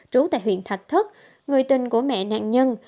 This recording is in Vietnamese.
trú tại huyện thạch thất người tình của mẹ nạn nhân